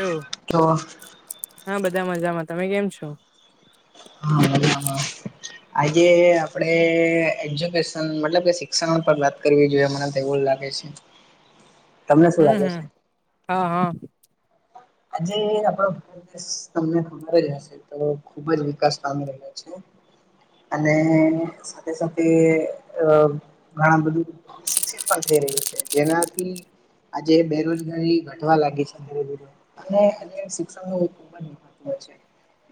એવું તો હા બધા મજામાં તમે કેમ છો [inaudible] આજે આપડે એજ્યુકેશન મતલબ કે શિક્ષણ વાત કરવી જોઈએ મને તો એવું લાગે. એ છે. તમને શું હમ્મ લાગે હમ્મ છે હા હા. આજે આપડો ભારત દેશ તમને ખબર જ હશે તો ખુબ જ વિકાસ પાામી રહ્યો છે. અને સાથે સાથે અ ઘણા બધું. શિક્ષિત પણ થઈ રહ્યું છે જેનાથી. આજે બેરોજગારી ઘટવા લાગી છે ધીરે ધીરે અને અન્ય શિક્ષણ નું ખુબ જ મહત્વ છે.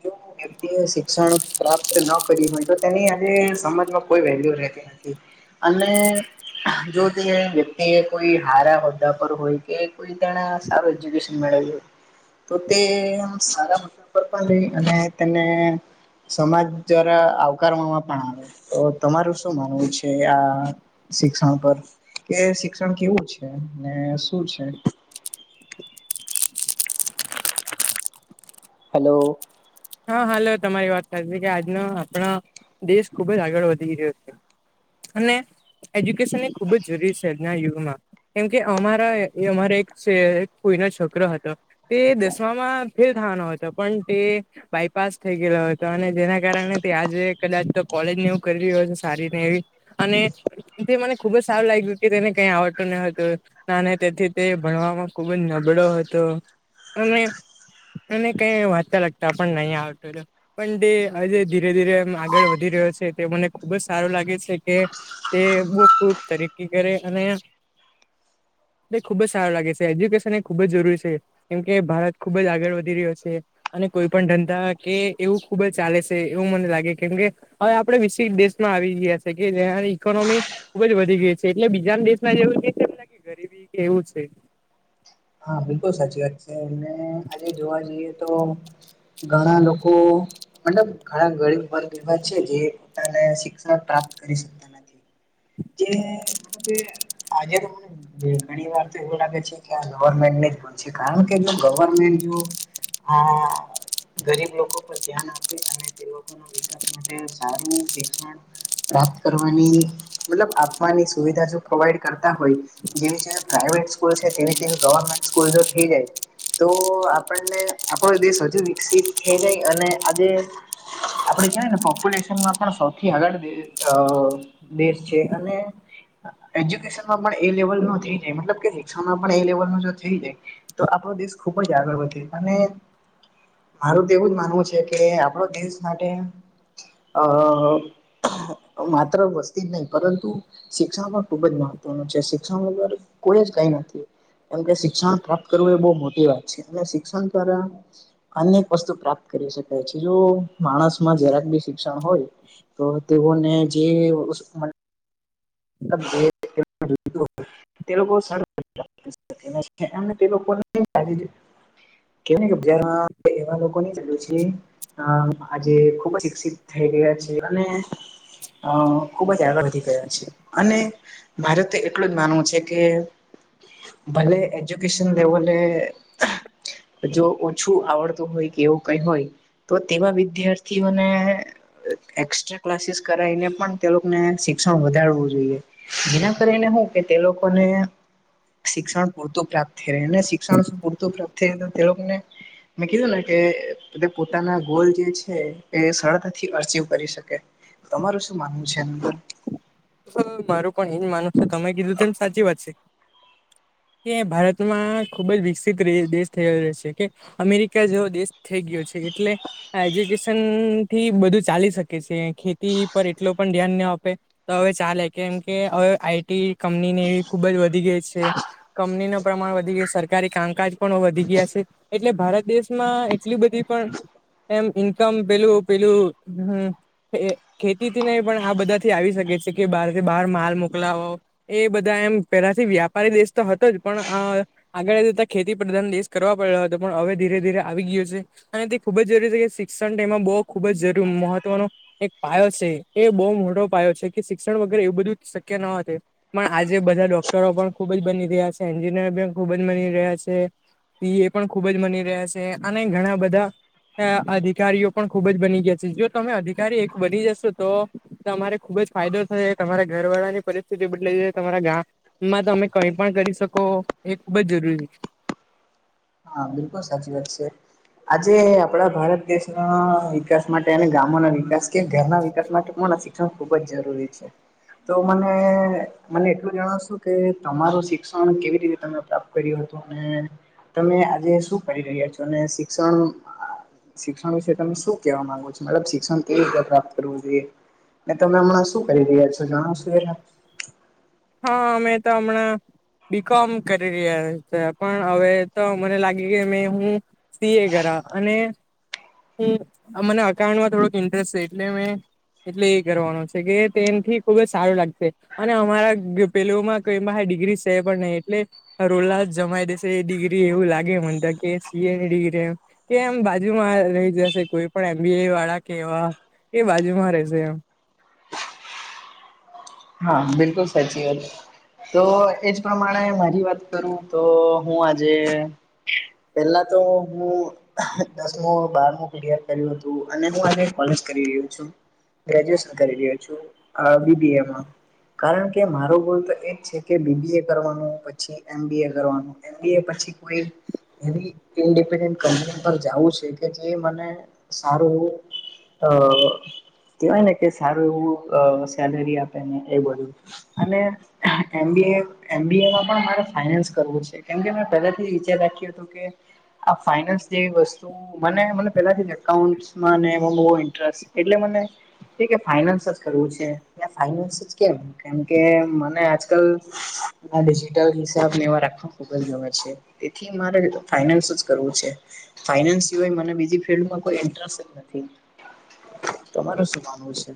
જો વ્યક્તિએ શિક્ષણ પ્રાપ્ત ન કરી હોય તો તેની આજે સમાજમાં કોઈ વેલ્યુ રહેતી નથી અને જો તે વ્યક્તિ એ કોઈ હારા હોદ્દા પર હોય કે કોઈ તેને સારું એજ્યુકેશન મેળવ્યુ હોય તો તે સારા [unintelligible] લઈ અને તેને સમાજ દ્વારા આવકારવામાં પણ આવે તો તમારું શું માનવું છે આ શિક્ષણ પર કે શિક્ષણ કેવું છે ને શું છે હેલો હા હાલો તમારી વાત સાચી કે આજનો આપણા દેશ ખુબ જ આગળ વધી રહ્યો છે. અને એજ્યુકેશન એ ખુબ જ જરૂરી છે આજના યુગમાં કેમ કે અમારા અમારા એક છે ફુઈનો છોકરો હતો. તે દસમામાં ફેલ થવાનો હતો પણ તે બાયપાસ થઈ ગયેલો હતો અને જેના કારણે તે આજે કદાચ તો કોલેજને એવું કરી રહ્યો છે સારીને એવી અને તે મને ખુબ જ સારું લાગ્યું કે તેને કઈ આવડતું ન હતું અને તેથી તે ભણવામાં ખુબ જ નબળો હતો અને અને કઈ વાંચતા લગતા પણ નહી આવતુંતું પણ તે આજે ધીરે ધીરે એમ આગળ વધી રહ્યો છે તે મને ખુબજ સારું લાગે છે કે તે ખુબ ખુબ તરક્કી કરે અને એ ખુબ જ સારું લાગે છે એજ્યુકેશન એ ખુબ જરૂરી છે. કેમ કે ભારત ખુબ જ આગળ વધી રહ્યો છે અને કોઈ પણ ધંધા કે એવું ખુબ જ ચાલે છે એવું મને લાગે કેમ કે હવે આપડે વિકસિત દેશમાં આવી ગયા છે કે જેની ઈકોનોમી ખુબ જ વધી ગઈ છે એટલે બીજા ના દેશમાં જેવું છે ગરીબી કે એવું છે હા બિલકુલ સાચી વાત છે અને આજે જોવા જઈએ તો ઘણા લોકો મતલબ ઘણા ગરીબ વર્ગ એવા છે જે પોતાને શિક્ષણ પ્રાપ્ત કરી શકે જે [unintelligible] કે આજ તો [unintelligible] ઘણી વાર તો એવું લાગે છે કે આ ગવર્મેન્ટની જ ભૂલ છે કારણ કે જો ગવર્મેન્ટ જો અ ગરીબ લોકો પર ધ્યાન આપે અને તે લોકોનું બી માટે સારુ શિક્ષણ પ્રાપ્ત કરવાની મતલબ આપવાની સુવિધા જો પ્રોવાઈડ કરતા હોય જેવી જેવી પ્રાઈવેટ સ્કૂલ છે તેવી તેવી ગવર્મેન્ટ સ્કૂલ જો થઈ જાય તો આપણને આપણો દેશ હજુ વિકસિત થઈ જાય અને આજે આપડે કેવાયને પોપ્યુલેશનમાં પણ સૌથી આગળ દે અ દેશ છે અને એજ્યુકેશનમાં પણ એ લેવલ નું થઈ જાય મતલબ કે શિક્ષણમાં પણ એ લેવલ નું જો થઈ જાય તો આપણો દેશ ખૂબ જ આગળ વધે અને મારું તો એવું જ માનવું છે કે આપડો દેશ માટે અ માત્ર વસ્ નહી પરંતુ શિક્ષણમાં ખુબ જ મહત્વનું છે શિક્ષણર કોઈ જ કઈ નથી. કેમ કે શિક્ષણ પ્રાપ્ત કરવું એ બહુ મોટી વાત છે અને શિક્ષણ દ્વારા અનેક વસ્તુ પ્રાપ્ત કરી શકાય છે જો માણસમાં જરાક બી શિક્ષણ હોય. તો તેઓને જે [unintelligible] [inaudible] તે લોકો [unintelligible] અને તે લોકોને [unintelligible] જ્યાં એવા લોકો ની જરૂર છે આજે ખુબ જ શિક્ષિત થઈ ગયા છે અને અ ખુબ જ આગળ વધી ગયા છે. અને ભારતે એટલું જ માનવું છે કે ભલે એજ્યુકેશન લેવલે. જો ઓછું આવડતું હોય કે એવું કઈ હોય. તો તેવા વિદ્યાર્થીઓને એક્સ્ટ્રા ક્લાસીસ કરીને પણ તે લોકોને શિક્ષણ વધારવું જેના કરીને હોય કે તે લોકોને શિક્ષણ પૂરતું પ્રાપ્ત થઈ રહે અને શિક્ષણ શ પૂરતું પ્રાપ્ત થઈ તો તે લોકોને મે કીઘુ ને કે. પોતાના ગોલ જે છે એ સરળતાથી અચિવ કરી શકે. તમારું શું માનવું છે અંદર મારું પણ એ જ માનુસ છે તમે કીધું તો એમ સાચી વાત છે. કે ભારતમાં ખુબ જ વિકસિત દેશ થય છે કે અમેરિકા જેવો દેશ થઈ ગયો છે એટલે એજ્યુકેશન થી બધું ચાલી શકે છે ખેતી પર એટલો પણ ધ્યાન ના આપે. તો હવે ચાલે કેમ કે હવે આઈટી કંપનીની એવી ખુબ જ વધી ગઈ છે. કંપની ન પ્રમાણ વધી ગય સરકારી કામકાજ પણ વધી ગયા છે. એટલે ભારત દેશમાં એટલી બધી પણ એમ ઇન્કમ પેલું પેલું હમ એ ખેતી થી નહ પણ આ બધાથી આવી શકે છે કે બહાર થી બહાર માલ મોકલાવો એ બધા એમ પેલાથી વ્યાપારી દેશ તો હતો જ પણ આ આગળ જતા ખેતી પ્રધાન દેશ કરવા પડેલો હતો પણ હવે ધીરે ધીરે આવી ગયો છે. અને તે ખુબ જ જરૂરી છે કે શિક્ષણ ટ એમાં બહુ ખુબ જ જરૂ મહત્વનો એક પાયો છે એ બહુ મોટો પાયો છે કે શિક્ષણ વગેરે એવું બધું શક્ય ન પણ આજે બધા ડોક્ટરો પણ ખુબ જ બની રહ્યા છે એન્જિનિયર પણ ખુબ જ બની રહ્યા છે. એ પણ ખુબ જ મની રહ્યા છે અને ઘણા બધા અધિકારીઓ પણ ખુબ જ બની ગયા છે જો તમે અધિકારી એક બની જશો તો તમારે ખુબ જ ફાયદો થશે તમારા ઘરવાળાની પરિસ્થિતિ બદલાઈ તમારા ગામ. માં તમે કઈ પણ કરી શકો એ ખુબ જ જરૂરી છે. હા એ પણ સાચી વાત છે. આજે આપડા ભારત દેશ ના વિકાસ માટે અને ગામો ના વિકાસ કે ઘરના વિકાસ માટે કો ના શીખ ખૂબ જ જરૂરી છે તો મને મને એટલું જણાવશો કે તમારું શિક્ષણ કેવી રીતે તમે પ્રાપ્ત કર્યું હતું અને તમે આજે શું કરી રહ્યા છો અને શિક્ષણ શિક્ષણ વિશે તમે શું કેવા માંગો છોડ શિક્ષણ કેવી રીતે પ્રાપ્ત કરવું જોઈએ. ને તમે હમણાં શું કરી રહ્યા છો જાણો છો એ હા અમે તો હમણાં બી. કોમ કરી રહ્યા છે પણ હવે તો મને લાગે કે મે હું સી એ કરા અને હ મને અકાઉન્ટમાં થોડુંક ઇન્ટરેસ્ટ છે એટલે મે એટલે એ કરવાનું છે કે તેનાથી ખુબ જ સારું લાગશે. અને અમારા પેલમાં કઈમા ડિગ્રી છે પણ નહી એટલે રોલા જ જમાઈ દેશે એ ડિગ્રી એવું લાગે મને તો કે સીએની ડિગ્રી કે એમ બાજુમાં રહી જશે કોઈ પણ એમબી એ વાળા કેવા એ બાજુમાં રહેશે એમ હા બિલકુલ સાચી વાત તો એજ પ્રમાણે મારી વાત કરું તો હું આજે. પેલા તો હું દસમ બારમ ક્લયર કર્યું હતું અને હું કોલેજ કરી રહ્યો છુ. ગ્રેજ્યુએશન કરી રહ્યો છું બીબી એમાં. કારણ કે માર ભૂલ તો એજ છે કે બીબી એ કરવાનું પછી એમ બી એ કરવાનું. એબી એ પછી કોઈ [unintelligible] પર જવું છે કે જે મને સારું અ કવાય ને કે સારું એવું અ સેલરી આપે ને એ બધું અને એમ બી એ એમ બી એમાં પણ મારે ફાઈનાન્સ કરવું છે કેમકે મેં પહેલાથી વિચાર રાખ્યું હતું કે આ ફાઈનાન્સ જેવી વસ્તુ મને મને પેલાથી એકાઉન્ટ્સ મા ને એવામાં બો ઇન્ટરેસ્ટ એટલે મ એ કે ફાઈનાન્સ જ કરવું છે ત્યા ફાઈનાન્સ જ કેમ કેમકે મને આજકાલ ના ડિજિટલ હિસાબને એવા રાખવા ખુબ જ ગમે છે એથી મારે ફાઈનાન્સ જ કરવું છે ફાઈનાન્સ સિવાય મને બીજી ફિલ્ડમાં કોઈ ઇન્ટરેસ્ટ નથી તમારું શું માનવું છે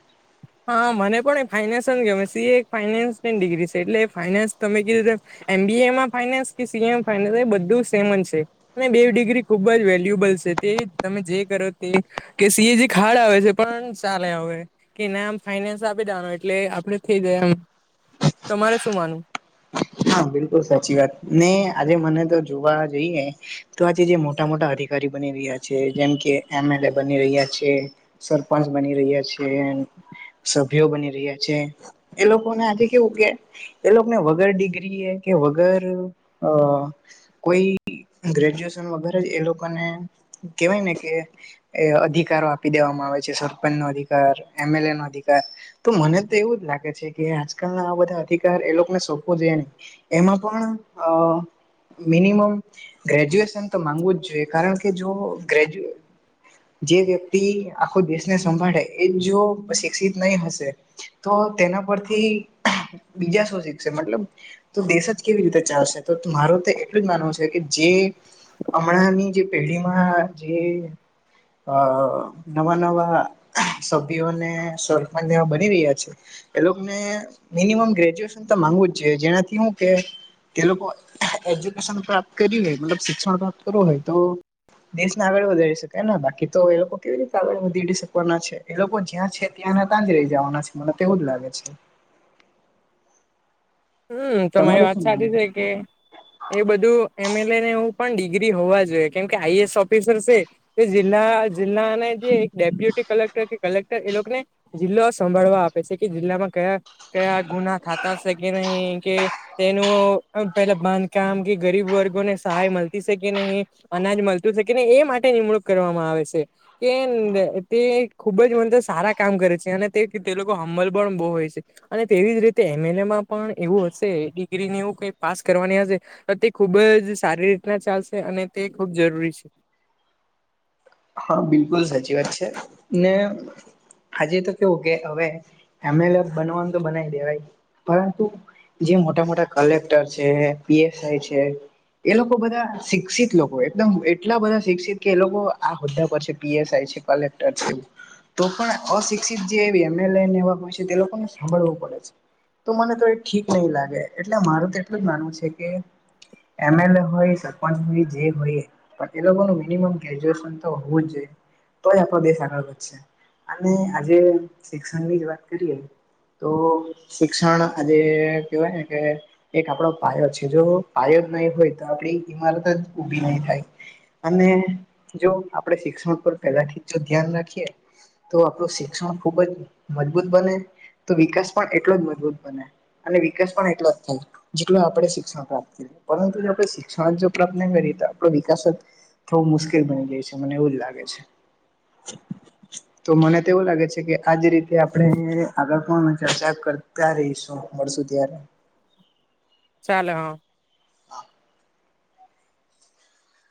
હા મને પણ ફાાઈનાન્સ ગમે સી એ એક ફાઈનાન્સ ની ડિગ્રી છે એટલે ફાઈનાન્સ તમે કીધૂ તેમ એમ બી એમાં ફાનાન્સ કે સીએ મા ફાયનન્સ એ બધું સેમ જ છે મે બેઓ ડિગ્રી ખુબ જ વેલ્યુએબલ છે તે તમે જે કરો તે કે સી એજી ખાડ આવે છે પણ ચાલે હવે કે ના આમ ફાઈનાન્સ આપી દેવાનો એટલે આપડે થઈ જાય એમ તમારે શું માનું હા બિલકુલ સાચી વાત ને આજે મને તો જોવા જઈએ તો આજે જે મોટા મોટા અધિકારી બની રહ્યા છે જેમ કે એમ એલ એ બની રહ્યા છે સરપંચ બની રહ્યા છીએ સભ્યો બની રહ્યા છે એ લોકોને આજે કેવું કે એ લોકોને વગર ડિગ્રી ડિગ્રી કે વગર અ કોઈ ગ્રેજ્યુએશન વગરે જ એ લોકોને કેહેવાય ને કે એ અધિકારો આપી દેવામાં આવે છે સરપંચ નો અધિકાર એમએલ એ નો અધિકાર તો મને તો એવું જ લાગે છે કે આજકાલ ના આ બધા અધિકાર એ લોકોને સોંપવો જોઈએને એમાં પણ અ મિનિમમ ગ્રેજ્યુએશન તો માંગવું જ જોઈએ કારણ કે જો ગ્રેજ્યુ જે વ્યક્તિ આખો દેશને સંભાળે એ જો શિક્ષિત નહી હશે તો તેના પરથી બીજા શું શીખશે મતલબ તો દેશ જ કેવી રીતે ચાલશે તો મારું તો એટલું જ માનવું છે કે જે હમણાં ની જે પેઢીમાં જે આ નવા નવા સભ્યોને સરપંચ એવા બની રહ્યા છે એ લોકોને મિનિમમ ગ્રેજ્યુએશન તો માંગુ છે જેનાથી હું કે તે લોકો એજ્યુકેશન પ્રાપ્ત કરી હોય મતલબ શિક્ષણ પ્રાપ્ત કરવું હોય તો દેશને આગળ વધારી શકાય ને બાકી તો એ લોકો કેવી રીતે આગળ વધીડી શકવાના છે એ લોકો જ્યાં છે ત્યાંને ત્યાં જ રહી જવાના છે મને તેવું જ લાગે છે હમ્મ તમારી તમારું વાત શું સાચી માનવું છે કે એ બધું એમલને એ પણ ડિગ્રી હોવા જોઈએ કેમકે આઈએસ ઓફિસર છે એ જિલ્લા જિલ્લાને જે એક ડેપ્યુટી કલેક્ટર કે કલેક્ટર એ લોકોને જિલ્લો સંભાળવા આપે છે કે જિલ્લામાં કયા કયા ગુના થતા હશે કે નહી કે તેનું પેલા બાંધકામ કે ગરીબ વર્ગોને સહાય મળતી સે કે નહી અનાજ મળતું છૅ કે નહીં એ માટે નિમણૂક કરવામાં આવે છે કે તે ખુબ જ મને તો સારા કામ કરે છે અને તે તે લોકો હંમલ પણ બહુ હોય છે અને તેવી જ રીતે એમ એલ એમાં પણ એવું હશે ડિગ્રીની એવું કઈ પાસ કરવાની હશે તો તે ખૂબ જ સારી રીતના ચાલશે અને તે ખૂબ જરૂરી છે હા બિલકુલ સાચી વાત છે ને આજે તો કેવું કે હવે એમ એલ એ બનવાનું તો બનાવી દેવાય પરંતુ જે મોટા મોટા કલેક્ટર છે પીએસઆઈ છે એ લોકો બધા શિક્ષિત લોકો એકદમ એટલા બધા શિક્ષિત કે એ લોકો આ હોદ્દા પર છે પીએસઆઈ છે કલેક્ટર છે તો પણ અશિક્ષિત જે એમએલ એ એવા હોય છે તે લોકોને સાંભળવું પડે છે તો મને તો એ ઠીક નહીિ લાગે એટલે મારું તો એટલું જ માનવું છે કે એમ એલ એ હોય સરપંચ હોય જે હોય પણ એ લોકો ન મિનિમમ ગજુ હોવું જ જોઈએ તો આપણો દેશ આગળ વધશે અને આજે શિક્ષણની જ વાત કરીએ તો શિક્ષણ આજે કહેવાય ને કે એક આપડો પાયો છે જો પાયો જ નહી હોય તો આપડી ઇમારત જ ઉઊભી નહી થાય અને જો આપડે શિક્ષણ પર પેલા થી જો ધ્યાન રાખીએ તો આપણું શિક્ષણ ખુબ જ મજબૂત બને તો વિકાસ પણ એટલો જ મજબૂત બને અને વિકાસ પણ એટલો જ થાય જેટું આપડણે શિક્ષણ પ્રાપ્ત પરંતુ જો આપડણે શિક્ષણ જો પ્રાપ્ત ન કરીએ તો આપડો વિકાસ જ થોડું મુશ્કેલ બની જાય છે મને એવું જ લાગે છે [inaudible] તો મને તોવું લાગે છે કે આજ રીતે આપણે આગળ કોણ ચર્ચા કર ત્યારે શું મળશું ત્યારે ચાલો હા હા